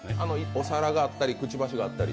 お皿があったり、くちばしがあったり。